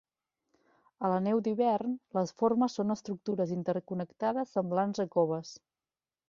A la neu d'hivern, les formes són estructures interconnectades semblants a coves.